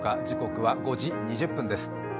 時刻は５時２０分です。